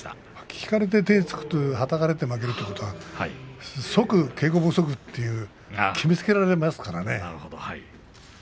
引かれて手をつくはたかれて負けるというのは即稽古不足と決めつけられましたからね。